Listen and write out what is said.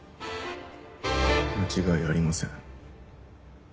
間違いありません。